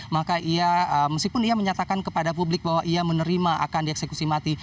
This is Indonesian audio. maka meskipun ia menyatakan kepada publik bahwa ia menerima akan dieksekusi mati